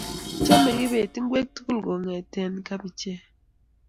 Chame kibet ingwek tugul kongete kabichek